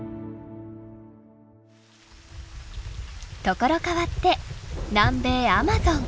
ところ変わって南米アマゾン。